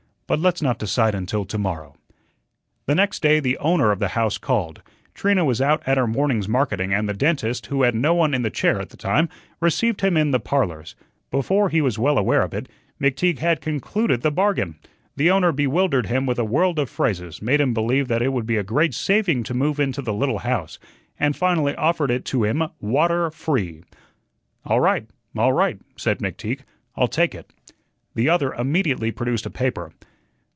But let's not decide until to morrow." The next day the owner of the house called. Trina was out at her morning's marketing and the dentist, who had no one in the chair at the time, received him in the "Parlors." Before he was well aware of it, McTeague had concluded the bargain. The owner bewildered him with a world of phrases, made him believe that it would be a great saving to move into the little house, and finally offered it to him "water free." "All right, all right," said McTeague, "I'll take it." The other immediately produced a paper.